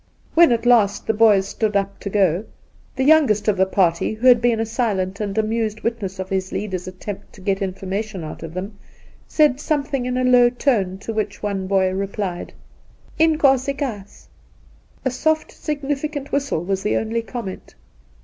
When at last the boys stood up to go, the youngest of the party, who had been a silent and amused witness of his leader's attempt to get information out of them, said something ia a low tone, to which one boy replied :' Inkosikaas.' A soft significant whistle was the only com ment.